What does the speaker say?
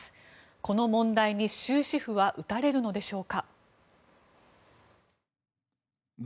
この問題に終止符は打たれるのでしょうか。